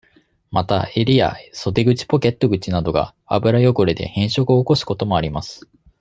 また、襟や、袖口ポケット口などが、油汚れで変色を起こすこともあります。